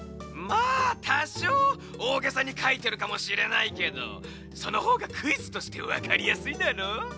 まあたしょうおおげさにかいてるかもしれないけどそのほうがクイズとしてわかりやすいだろ？